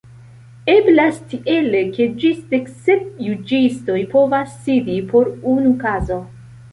Eblas tiele ke ĝis deksep juĝistoj povas sidi por unu kazo.